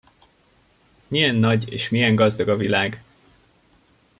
Milyen nagy és milyen gazdag a világ!